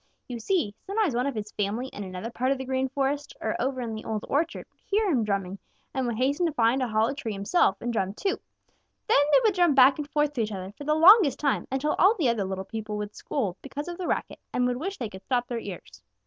You see, sometimes one of his family in another part of the Green Forest, or over in the Old Orchard, would hear him drumming and would hasten to find a hollow tree himself and drum too. Then they would drum back and forth to each other for the longest time, until all the other little people would scold because of the racket and would wish they could stop their ears.